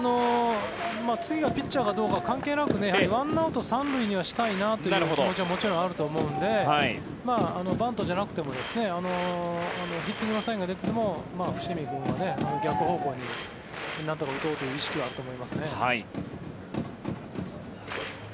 次がピッチャーかどうか関係なく１アウト３塁にはしたいなという気持ちはもちろんあると思うのでバントじゃなくてもヒッティングのサインが出ていても伏見君は逆方向になんとか打とうという意識はあると思いますね。